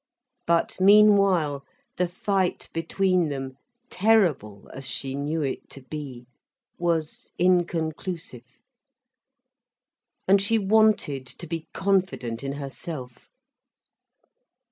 But meanwhile the fight between them, terrible as she knew it to be, was inconclusive. And she wanted to be confident in herself.